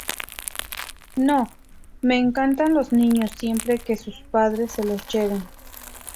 No, me encantan los niños siempre que sus padres se los lleven".